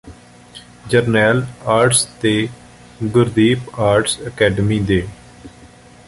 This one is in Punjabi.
ਜਰਨੈਲ ਆਰਟਸ ਤੇ ਗੁਰਦੀਪ ਆਰਟਸ ਅਕੈਡਮੀ ਦੇ